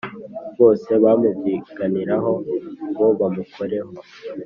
bose bamubyiganiraho ngo bamukoreho